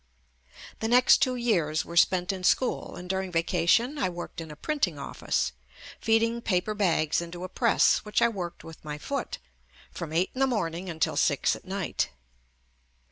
The next two years were spent in school and during vacation I worked in a printing office, feeding paper bags into a press which I worked with my foot, from eight in the morning until six at night.